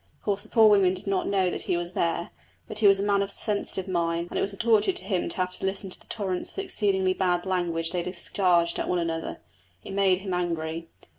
Of course the poor women did not know that he was there, but he was a man of a sensitive mind and it was a torture to him to have to listen to the torrents of exceedingly bad language they discharged at one another. It made him angry.